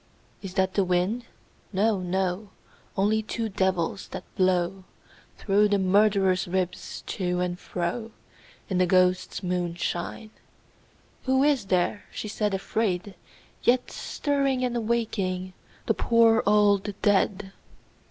Is that the wind ? No, no ; Only two devils, that blow Through the murderer's ribs to and fro. In the ghosts' moonshine. II. Who is there, she said afraid, yet Stirring and awaking The poor old dead?